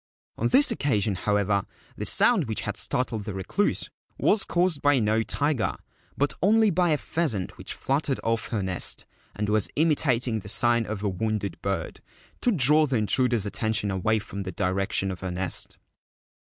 On this occasion, however, the sound which had startled the Recluse was caused by no tiger, but only by a pheasant which fluttered off her nest, and was imitat ing the sign of a wounded bird, to draw the intruder's attention away from the direction of her nest.